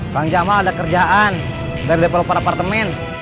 kang jamal ada kerjaan dari developer apartemen